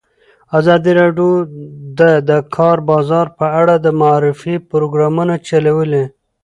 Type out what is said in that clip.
ازادي راډیو د د کار بازار په اړه د معارفې پروګرامونه چلولي.